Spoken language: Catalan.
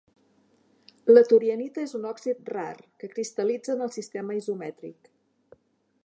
La torianita és un òxid rar, que cristal·litza en el sistema isomètric.